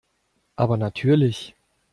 Aber natürlich.